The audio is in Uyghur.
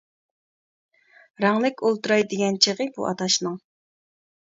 رەڭلىك ئولتۇراي دېگەن چېغى بۇ ئاداشنىڭ.